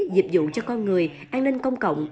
dịp dụng cho con người an ninh công cộng